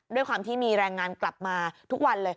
ด้วยความที่มีแรงงานกลับมาทุกวันเลย